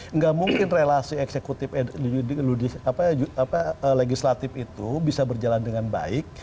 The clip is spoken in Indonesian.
tidak mungkin relasi eksekutif legislatif itu bisa berjalan dengan baik